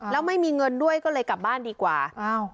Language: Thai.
แล้วไม่มีเงินด้วยก็เลยกลับบ้านดีกว่าอ้าว